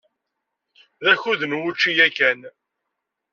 D akud n wučči yakan.